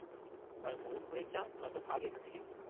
হয় মোরগ হয়ে চা, নয়তো ভাগ এখান থেকে।